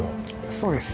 そうです。